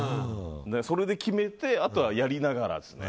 それで決めてあとはやりながらです。